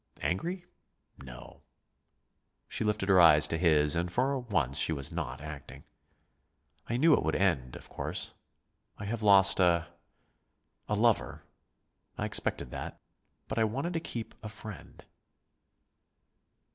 "Angry? No." She lifted her eyes to his, and for once she was not acting. "I knew it would end, of course. I have lost a a lover. I expected that. But I wanted to keep a friend."